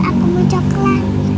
aku mau coklat